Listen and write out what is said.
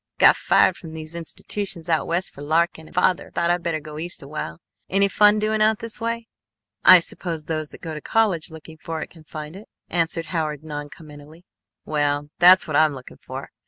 Got fired from three institutions out West for larking, and father thought I better go East awhile. Any fun doing out this way?" "I suppose those that go to college looking for it can find it," answered Howard noncommittally. "Well that's what I'm looking for.